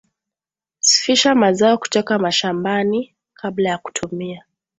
Sfisha mazao kutoka shambani kabla ya kutumia